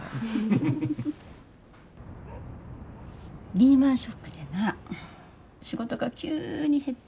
リーマンショックでな仕事が急に減って。